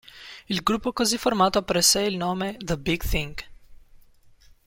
Il gruppo così formato prese il nome The Big Thing.